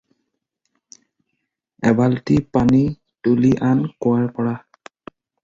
এবাল্টি পানী তুলি আন কুঁৱাৰ পৰা।